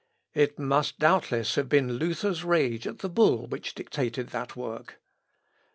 ... It must doubtless have been Luther's rage at the bull which dictated that work.